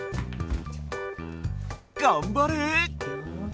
がんばれ！